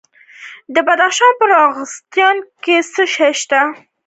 د بدخشان په راغستان کې څه شی شته؟